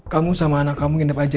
kamu sama anak kamu nginep aja